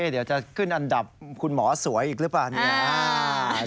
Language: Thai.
เดี๋ยวจะขึ้นอันดับคุณหมอสวยอีกหรือเปล่าเนี่ย